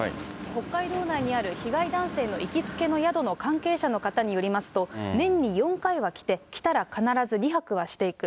北海道内にある被害男性の行きつけの宿の関係者の方によりますと、年に４回は来て、来たら、必ず２泊はしていく。